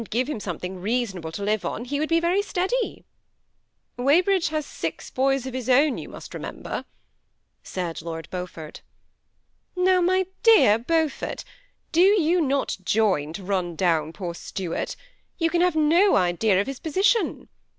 167 give him something reasonable to live on, he would be very steady." " Weybridge has six boys of his own, you must re member," said Lord Beaufort. *'Now, my dear Beaufort, do not you join to run down poor Stuart ; you can have no idea of his posi tion.